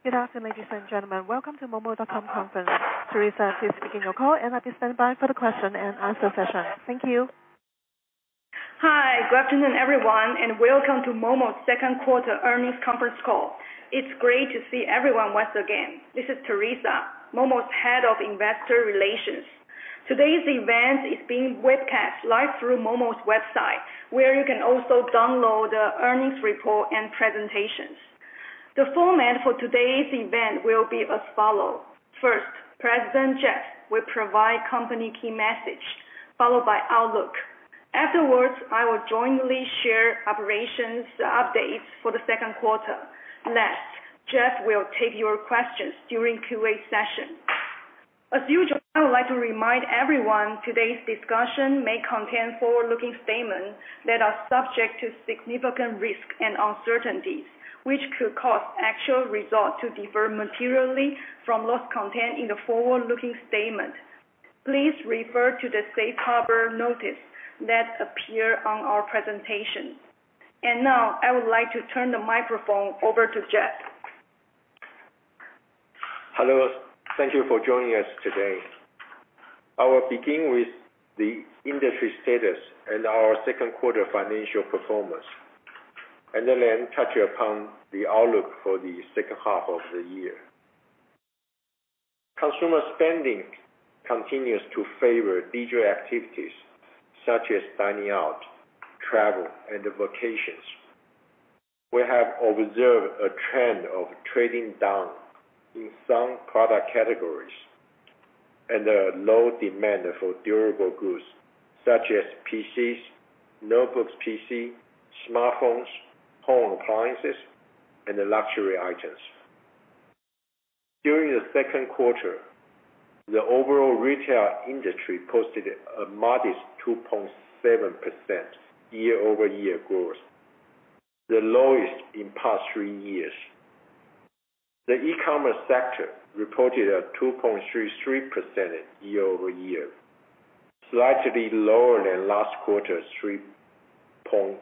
Good afternoon, ladies and gentlemen. Welcome to momo.com conference. Terrisa, please begin your call, and I stand by for the question and answer session. Thank you. Hi, good afternoon, everyone, and welcome to momo's second quarter earnings conference call. It's great to see everyone once again. This is Terrisa, momo's Head of Investor Relations. Today's event is being webcast live through momo's website, where you can also download the earnings report and presentations. The format for today's event will be as follows. First, President Jeff will provide company key message, followed by outlook. Afterwards, I will jointly share operations updates for the second quarter. Last, Jeff will take your questions during Q&A session. As usual, I would like to remind everyone, today's discussion may contain forward-looking statements that are subject to significant risk and uncertainty, which could cause actual results to differ materially from those contained in the forward-looking statements. Please refer to the safe harbor notice that appears on our presentation. Now, I would like to turn the microphone over to Jeff. Hello. Thank you for joining us today. I will begin with the industry status and our second quarter financial performance, and then touch upon the outlook for the second half of the year. Consumer spending continues to favor leisure activities, such as dining out, travel, and vacations. We have observed a trend of trading down in some product categories and a low demand for durable goods, such as PCs, Notebook PCs, smartphones, home appliances, and luxury items. During the second quarter, the overall retail industry posted a modest 2.7% year-over-year growth, the lowest in past three years. The e-commerce sector reported a 2.33% year-over-year, slightly lower than last quarter's 3.65%.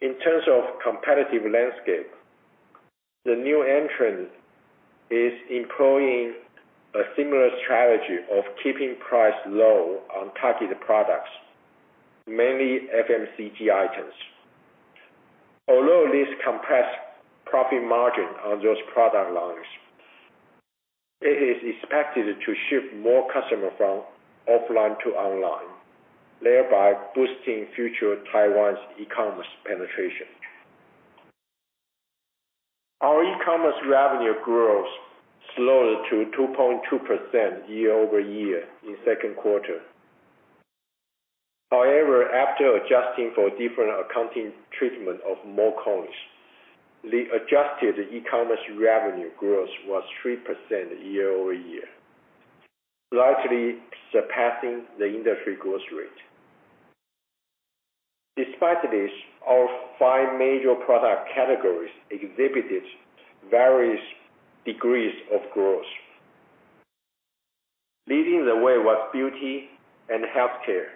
In terms of competitive landscape, the new entrant is employing a similar strategy of keeping price low on targeted products, mainly FMCG items. Although this compressed profit margin on those product lines, it is expected to shift more customer from offline to online, thereby boosting future Taiwan's e-commerce penetration. Our e-commerce revenue growth slowed to 2.2% year-over-year in second quarter. However, after adjusting for different accounting treatment of mo Coins, the adjusted e-commerce revenue growth was 3% year-over-year, slightly surpassing the industry growth rate. Despite this, our five major product categories exhibited various degrees of growth. Leading the way was beauty and healthcare,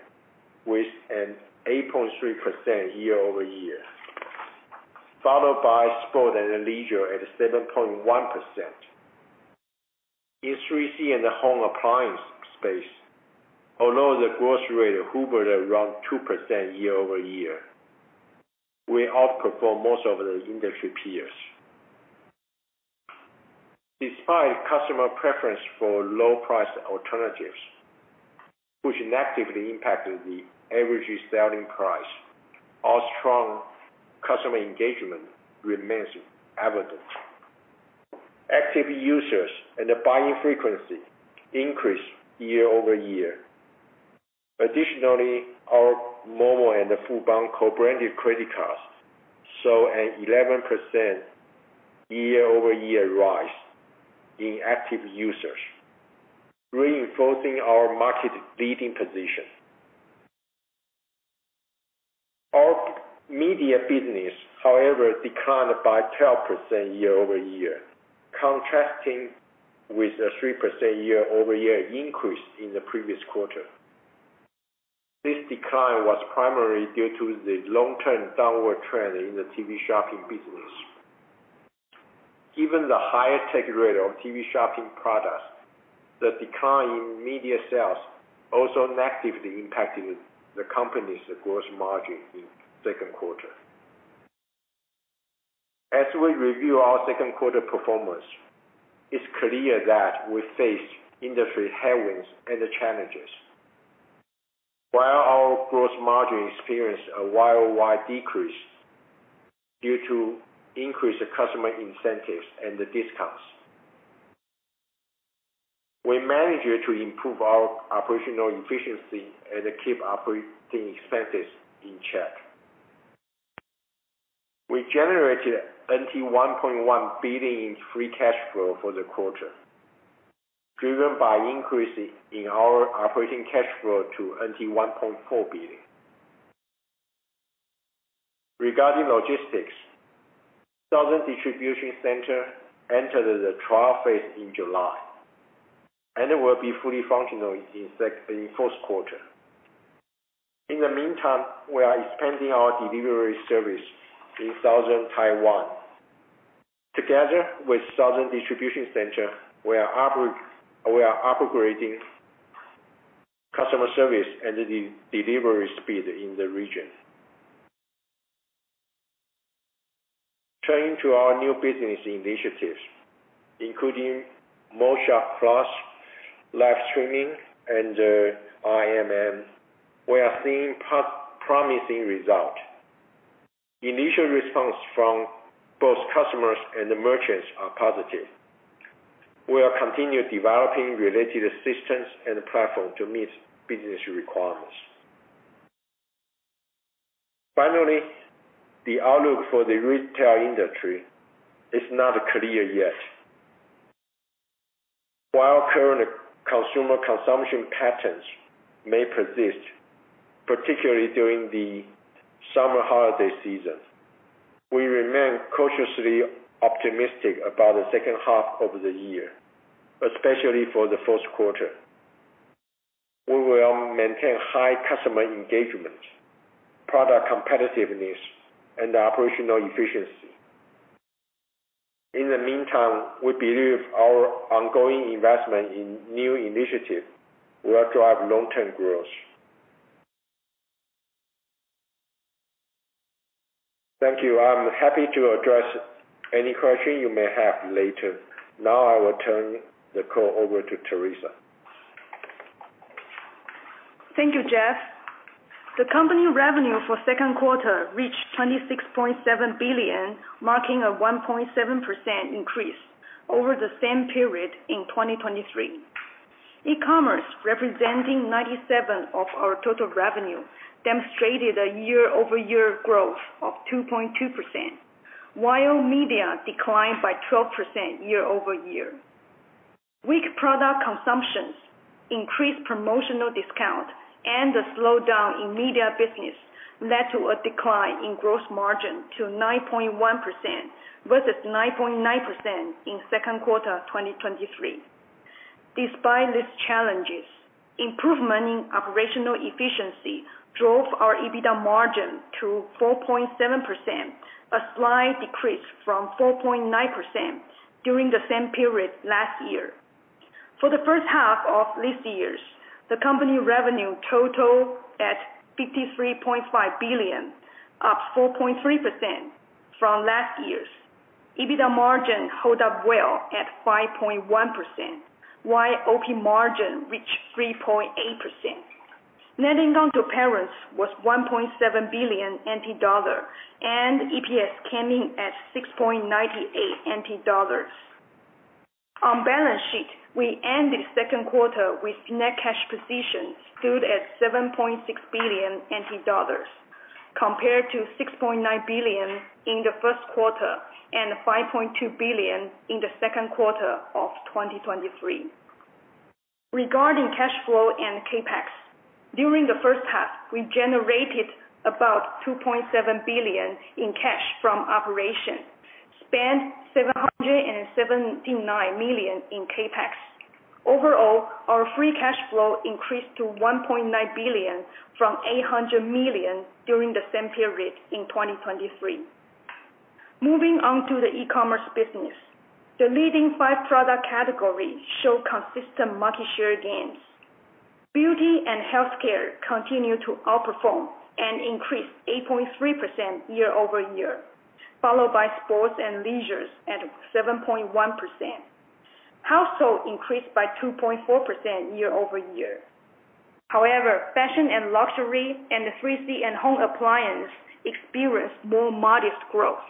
with an 8.3% year-over-year, followed by sport and leisure at 7.1%. In 3C and the home appliance space, although the growth rate hovered around 2% year-over-year, we outperformed most of the industry peers. Despite customer preference for low price alternatives, which negatively impacted the average selling price, our strong customer engagement remains evident. Active users and the buying frequency increased year-over-year. Additionally, our momo and the Fubon co-branded credit cards saw an 11% year-over-year rise in active users, reinforcing our market-leading position. Our media business, however, declined by 12% year-over-year, contrasting with a 3% year-over-year increase in the previous quarter. This decline was primarily due to the long-term downward trend in the TV shopping business. Given the higher take rate of TV shopping products, the decline in media sales also negatively impacted the company's gross margin in second quarter. As we review our second quarter performance, it's clear that we faced industry headwinds and challenges. While our gross margin experienced a YOY decrease due to increased customer incentives and discounts, we managed to improve our operational efficiency and keep operating expenses in check. We generated 1.1 billion in free cash flow for the quarter, driven by increase in our operating cash flow to 1.4 billion. Regarding logistics, Southern Distribution Center entered the trial phase in July, and it will be fully functional in fourth quarter. In the meantime, we are expanding our delivery service in Southern Taiwan. Together with Southern Distribution Center, we are upgrading customer service and the delivery speed in the region. Turning to our new business initiatives, including mo-shop+, live streaming, and RMN, we are seeing promising result. Initial response from both customers and the merchants are positive. We are continue developing related systems and platform to meet business requirements. Finally, the outlook for the retail industry is not clear yet. While current consumer consumption patterns may persist, particularly during the summer holiday season, we remain cautiously optimistic about the second half of the year, especially for the first quarter. We will maintain high customer engagement, product competitiveness, and operational efficiency. In the meantime, we believe our ongoing investment in new initiative will drive long-term growth. Thank you. I'm happy to address any question you may have later. Now I will turn the call over to Terrisa. Thank you, Jeff. The company revenue for second quarter reached 26.7 billion, marking a 1.7% increase over the same period in 2023. E-commerce, representing 97% of our total revenue, demonstrated a year-over-year growth of 2.2%, while media declined by 12% year-over-year. Weak product consumptions, increased promotional discount, and a slowdown in media business led to a decline in gross margin to 9.1% versus 9.9% in second quarter 2023. Despite these challenges, improvement in operational efficiency drove our EBITDA margin to 4.7%, a slight decrease from 4.9% during the same period last year. For the first half of this year, the company revenue total at 53.5 billion, up 4.3% from last year's. EBITDA margin held up well at 5.1%, while OP margin reached 3.8%. Net income to parent was 1.7 billion NT dollar, and EPS came in at 6.98 NT dollars. On balance sheet, we ended second quarter with net cash position stood at 7.6 billion NT dollars, compared to 6.9 billion in the first quarter and 5.2 billion in the second quarter of 2023. Regarding cash flow and CapEx, during the first half, we generated about 2.7 billion in cash from operation, spent 779 million in CapEx. Overall, our free cash flow increased to 1.9 billion from 800 million during the same period in 2023. Moving on to the e-commerce business. The leading five product categories show consistent market share gains. Beauty and healthcare continued to outperform and increased 8.3% year-over-year, followed by sports and leisure at 7.1%. Household increased by 2.4% year-over-year. However, fashion and luxury, and 3C and home appliance experienced more modest growth,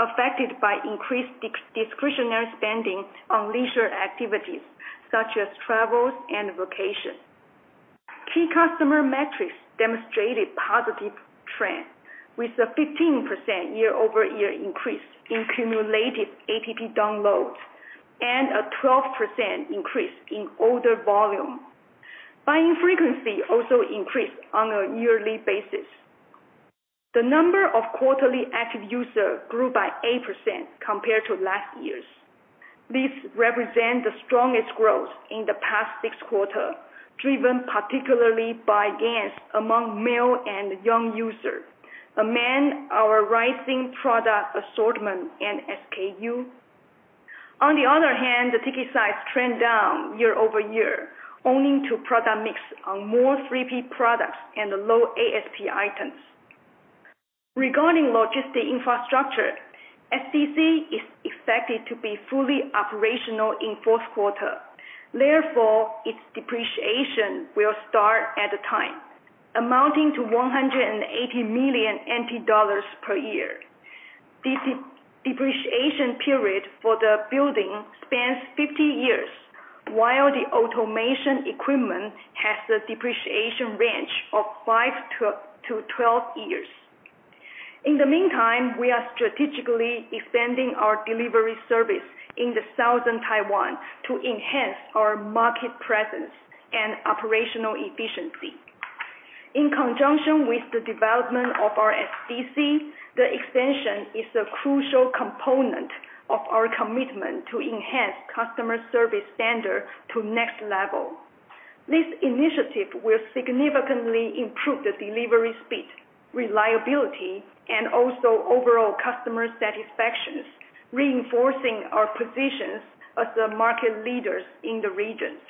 affected by increased discretionary spending on leisure activities such as travels and vacation. Key customer metrics demonstrated positive trend with a 15% year-over-year increase in cumulative APP downloads and a 12% increase in order volume. Buying frequency also increased on a yearly basis. The number of quarterly active user grew by 8% compared to last year's. This represent the strongest growth in the past six quarter, driven particularly by gains among male and young user, and our rising product assortment and SKU. On the other hand, the ticket size trend down year-over-year, owing to product mix on more 3P products and low ASP items. Regarding logistics infrastructure, SDC is expected to be fully operational in fourth quarter. Therefore, its depreciation will start at the time, amounting to 180 million NT dollars per year. This depreciation period for the building spans 50 years, while the automation equipment has a depreciation range of 5-12 years. In the meantime, we are strategically expanding our delivery service in the Southern Taiwan to enhance our market presence and operational efficiency. In conjunction with the development of our SDC, the expansion is a crucial component of our commitment to enhance customer service standards to the next level. This initiative will significantly improve the delivery speed, reliability, and also overall customer satisfaction, reinforcing our position as the market leaders in the region.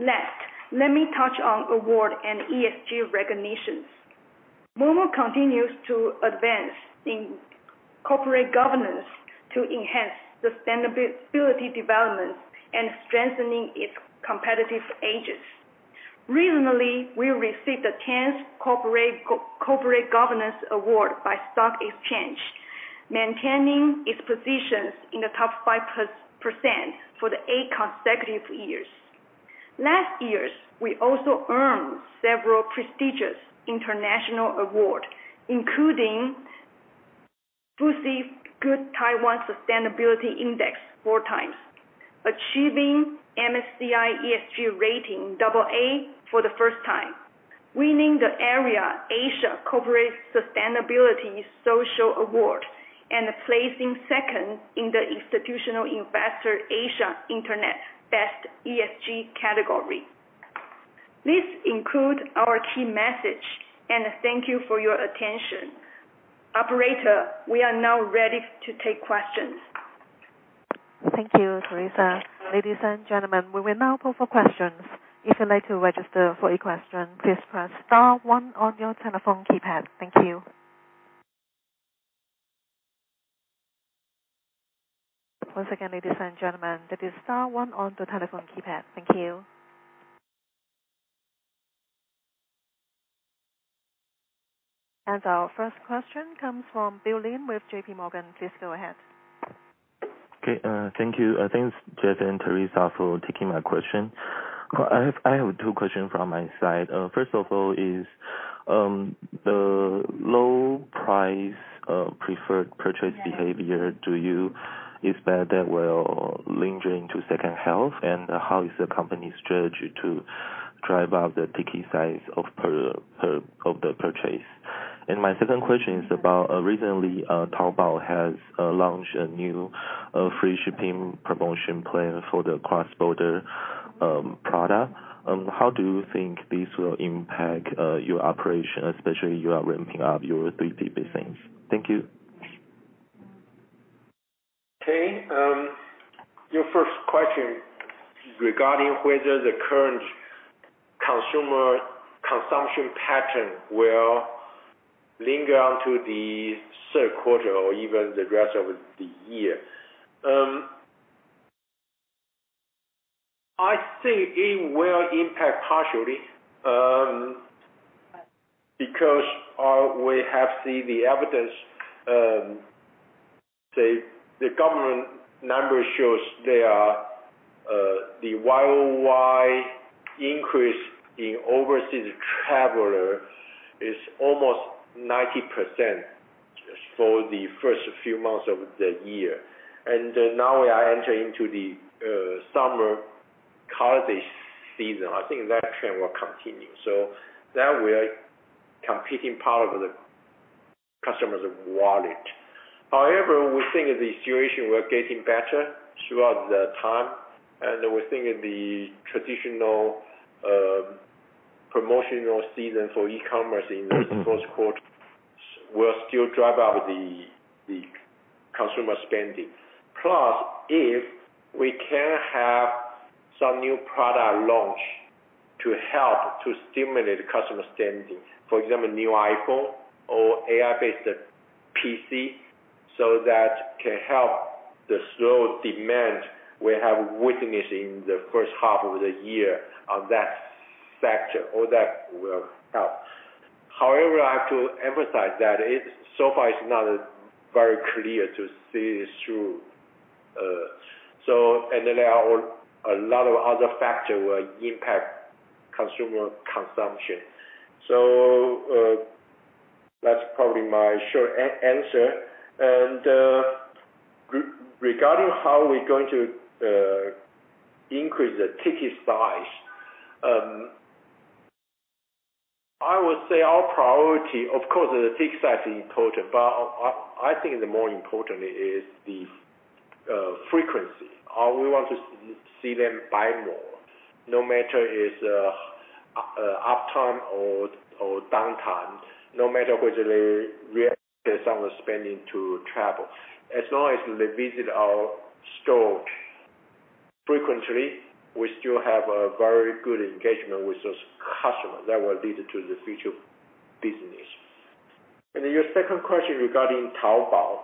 Next, let me touch on awards and ESG recognitions. Momo continues to advance in corporate governance to enhance the sustainable development and strengthening its competitive edges. Recently, we received the 10th Corporate Governance Award by Taiwan Stock Exchange, maintaining its position in the top 5% for the eight consecutive years. Last year, we also earned several prestigious international awards, including FTSE4Good Taiwan Sustainability Index four times, achieving MSCI ESG rating AA for the first time, winning the Asia Corporate Sustainability Social Award, and placing second in the Institutional Investor Asia Internet Best ESG category. This concludes our key message, and thank you for your attention. Operator, we are now ready to take questions. Thank you, Terrisa. Ladies and gentlemen, we will now go for questions. If you'd like to register for a question, please press star one on your telephone keypad. Thank you. Once again, ladies and gentlemen, it is star one on the telephone keypad. Thank you. And our first question comes from Bill Lin with JPMorgan. Please go ahead. Okay, thank you. Thanks, Jeff and Terrisa, for taking my question. I have two questions from my side. First of all, is the low price preferred purchase behavior to you, is that will linger into second half? And how is the company strategy to drive up the ticket size per purchase? And my second question is about recently Taobao has launched a new free shipping promotion plan for the cross-border product. How do you think this will impact your operation, especially you are ramping up your 3C business? Thank you. Okay, your first question regarding whether the current consumer consumption pattern will linger on to the third quarter or even the rest of the year. I think it will impact partially, because we have seen the evidence, the government numbers shows there are the YOY increase in overseas traveler is almost 90% for the first few months of the year. And now we are entering into the summer holiday season. I think that trend will continue. So that way, competing part of the customers' wallet. However, we think the situation will getting better throughout the time, and we're thinking the traditional promotional season for e-commerce in the first quarter will still drive up the consumer spending. Plus, if we can have some new product launch to help to stimulate customer spending, for example, new iPhone or AI-based PC, so that can help the slow demand we have witnessed in the first half of the year on that sector, all that will help. However, I have to emphasize that it's so far is not very clear to see this through. And then there are a lot of other factors will impact consumer consumption. So, that's probably my short answer. And, regarding how we're going to increase the ticket size, I would say our priority, of course, the ticket size is important, but I think the more importantly is the frequency. We want to see them buy more, no matter is uptime or downtime, no matter whether they reallocate some spending to travel. As long as they visit our store frequently, we still have a very good engagement with those customers that will lead to the future business. Your second question regarding Taobao.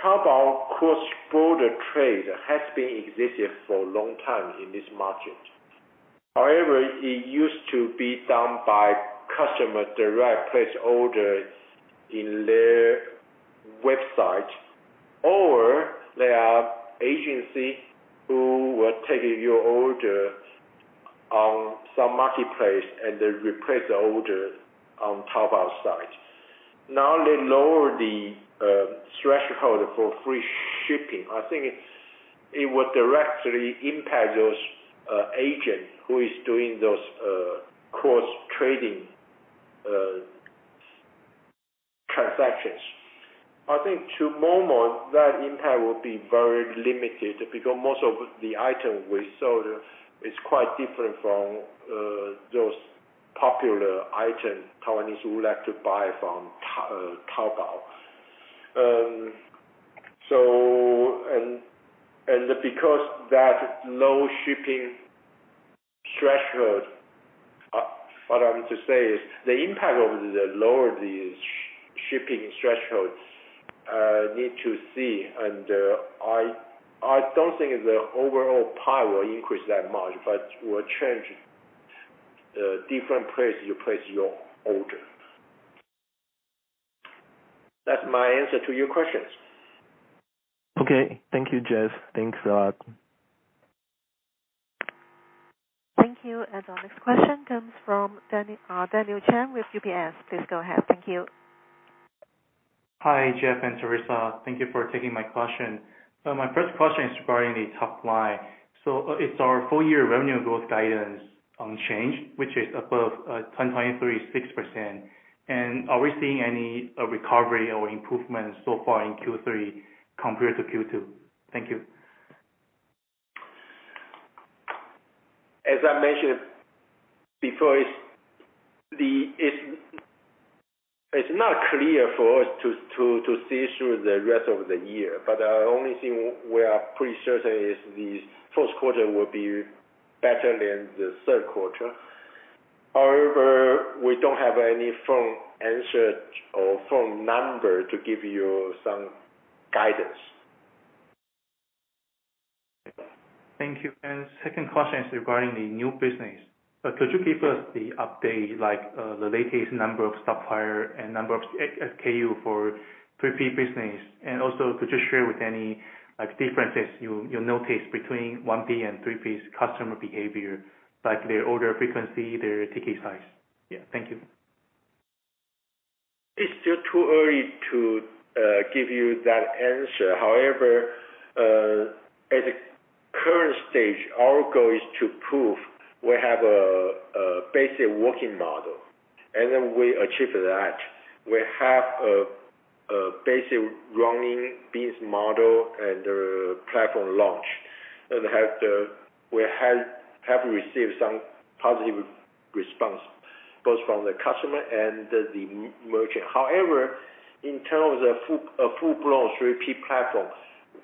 Taobao cross-border trade has been existed for a long time in this market. However, it used to be done by customer direct place orders in their website, or there are agency who will take your order on some marketplace, and they replace the order on Taobao site. Now, they lower the threshold for free shipping. I think it will directly impact those agents who is doing those cross-trading. I think to momo, that impact will be very limited because most of the items we sold is quite different from those popular items Taiwanese would like to buy from Ta, Taobao. Because that low shipping threshold, what I mean to say is the impact of the lower shipping thresholds need to see. I don't think the overall price will increase that much, but will change different place you place your order. That's my answer to your questions. Okay. Thank you, Jeff. Thanks a lot. Thank you. Our next question comes from Daniel Chen with UBS. Please go ahead. Thank you. Hi, Jeff and Terrisa. Thank you for taking my question. So my first question is regarding the top line. So, it's our full year revenue growth guidance unchanged, which is above 10%-23.6%. And are we seeing any recovery or improvement so far in Q3 compared to Q2? Thank you. As I mentioned before, it's not clear for us to see through the rest of the year. But the only thing we are pretty certain is the first quarter will be better than the third quarter. However, we don't have any firm answer or firm number to give you some guidance. Thank you. Second question is regarding the new business. Could you give us the update, like, the latest number of suppliers and number of SKU for 3P business? And also, could you share with any, like, differences you notice between 1P and 3P's customer behavior, like their order frequency, their ticket size? Yeah, thank you. It's still too early to give you that answer. However, at the current stage, our goal is to prove we have a basic working model. And then we achieve that, we have a basic running business model and the platform launch. We have received some positive response, both from the customer and the merchant. However, in terms of a full-blown 3P platform,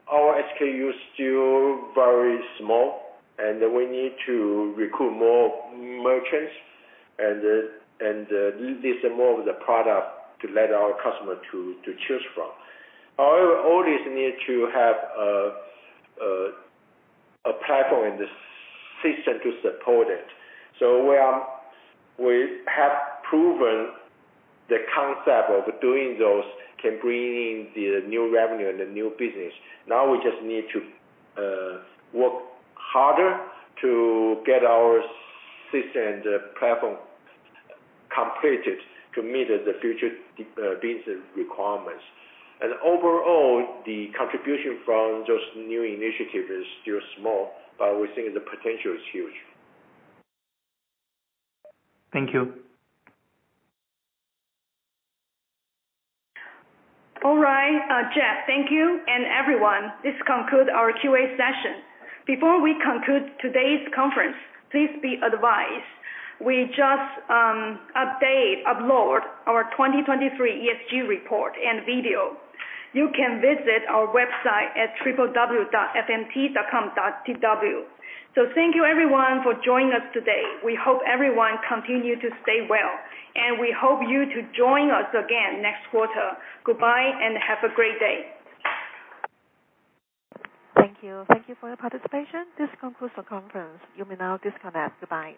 our SKU is still very small, and we need to recruit more merchants and lease more of the product to let our customer choose from. However, all this need to have a platform and the system to support it. So we have proven the concept of doing those can bring in the new revenue and the new business. Now we just need to work harder to get our system and the platform completed to meet the future business requirements. And overall, the contribution from those new initiatives is still small, but we think the potential is huge. Thank you. All right, Jeff, thank you and everyone. This concludes our QA session. Before we conclude today's conference, please be advised, we just update, upload our 2023 ESG report and video. You can visit our website at www.momo.com.tw. Thank you everyone for joining us today. We hope everyone continue to stay well, and we hope you to join us again next quarter. Goodbye, and have a great day. Thank you. Thank you for your participation. This concludes the conference. You may now disconnect. Goodbye.